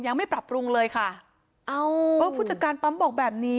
ยังไม่ปรับปรุงเลยค่ะเอ้าก็ผู้จัดการปั๊มบอกแบบนี้